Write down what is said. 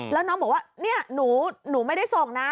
แล้วน้องบอกว่าเนี่ยหนูไม่ได้ส่งนะ